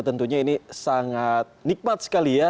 tentunya ini sangat nikmat sekali ya